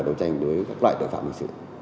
đấu tranh với các loại tội phạm hình sự